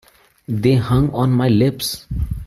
They hung on my lips.